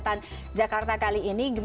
tapi ada keturunan betawi enggak